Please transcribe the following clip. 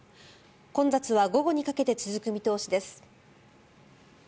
混雑は午後にかけて続く見通しです。